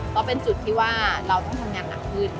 ก็เป็นจุดที่ว่าเราต้องทำงานหนักขึ้น